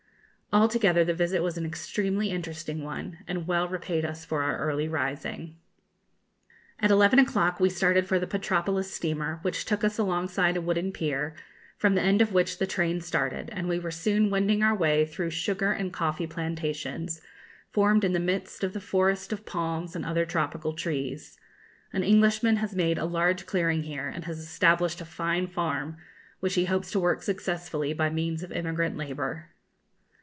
Altogether the visit was an extremely interesting one, and well repaid us for our early rising. At eleven o'clock we started for the Petropolis steamer, which took us alongside a wooden pier, from the end of which the train started, and we were soon wending our way through sugar and coffee plantations, formed in the midst of the forest of palms and other tropical trees. An Englishman has made a large clearing here, and has established a fine farm, which he hopes to work successfully by means of immigrant labour.